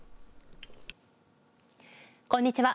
こんにちは。